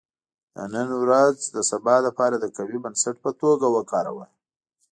• د نن ورځ د سبا لپاره د قوي بنسټ په توګه وکاروه.